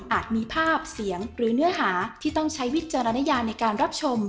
มีภาพเสียงหรือเนื้อหาที่ต้องใช้วิจารณญาในการรับชม